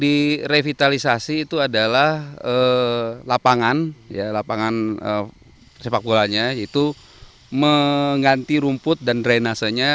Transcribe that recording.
di revitalisasi itu adalah lapangan ya lapangan sepakbolanya itu mengganti rumput dan drainasenya